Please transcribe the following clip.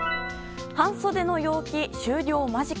半袖の陽気、終了間近。